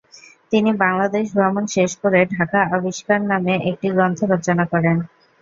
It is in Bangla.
তিনি বাংলাদেশ ভ্রমণ শেষ করে ঢাকা আবিষ্কার নামে একটি গ্রন্থ রচনা করেন।